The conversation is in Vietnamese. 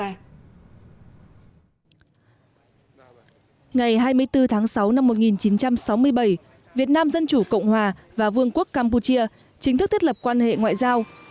ngày hai mươi bốn tháng sáu năm một nghìn chín trăm sáu mươi bảy việt nam dân chủ cộng hòa và vương quốc campuchia chính thức thiết lập quan hệ ngoại giao